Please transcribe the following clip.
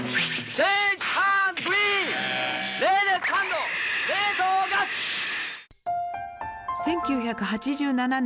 １９８７年